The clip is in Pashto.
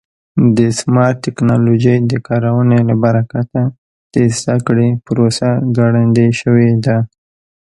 د سمارټ ټکنالوژۍ د کارونې له برکته د زده کړې پروسه ګړندۍ شوې ده.